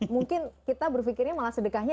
mungkin kita berpikirnya malah sedekahnya